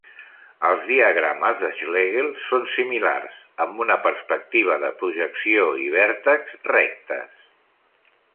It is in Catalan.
Els diagrames de Schlegel són similars, amb una perspectiva de projecció i vèrtex rectes.